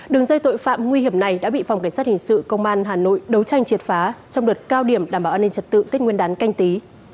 đường dây tội phạm nguy hiểm này đã bị phòng cảnh sát hình sự công an hà nội đấu tranh triệt phá trong đợt cao điểm đảm bảo an ninh trật tự tích nguyên đán canh tí